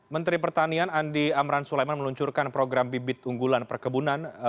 menteri pertanian andi amran sulaiman meluncurkan program bibit unggulan perkebunan